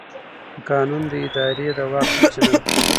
قانون د ادارې د واک سرچینه ده.